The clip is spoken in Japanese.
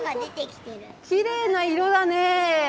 きれいな色だねー。